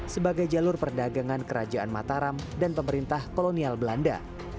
sebagai jalur perdagangan kerajaan mataram dan pemerintah kolonial belanda